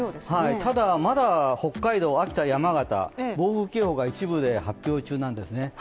ただまだ北海道秋田山形暴風警報が一部で発表中なんですね。